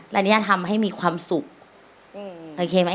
ลันยาทำให้มีความสุขโอเคมั้ย